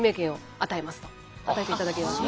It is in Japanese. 与えていただきました。